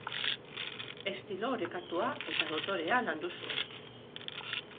Estilo orekatua eta dotorea landu zuen.